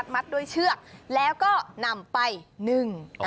มัดด้วยเชือกแล้วก็นำไปนึ่ง